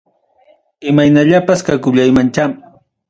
Imaynallapas kakullaymancha.